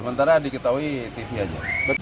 sementara diketahui tv aja